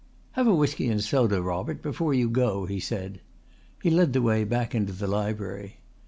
"Have a whisky and soda, Robert, before you go," he said. He led the way back into the library.